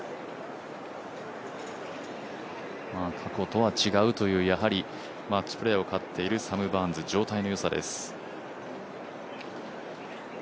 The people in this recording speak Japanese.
過去とは違うという、やはりマッチプレーを勝っているサム・バーンズ状態の良さです。